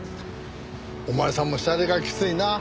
お前さんもシャレがきついな。